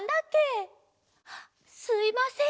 すいません